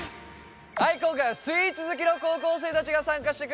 今回はスイーツ好きの高校生たちが参加してくれてます。